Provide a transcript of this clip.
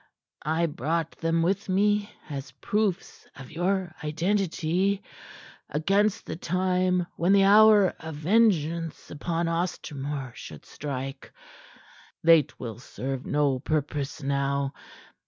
I brought them with me as proofs of your identity, against the time when the hour of vengeance upon Ostermore should strike. They twill serve no purpose now.